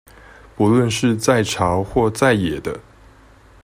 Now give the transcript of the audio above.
不論是在朝或在野的